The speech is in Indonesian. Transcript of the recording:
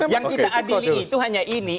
yang kita adili itu hanya ini